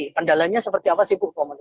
pendalanya seperti apa sih bu komendasi